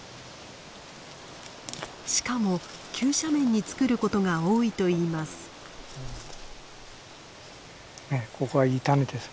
しかも急斜面に作ることが多いといいます。